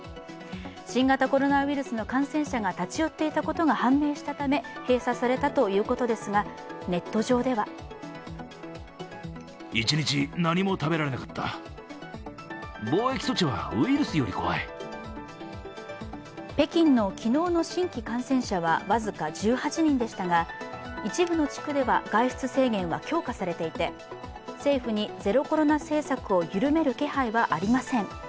新型コロナウイルスの感染者が立ち寄っていたことが判明したため閉鎖されたということですが、ネット上では北京の昨日の新規感染者は僅か１８人でしたが一部の地区では外出制限は強化されていて政府にゼロコロナ政策を緩める気配はありません。